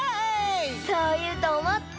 そういうとおもって。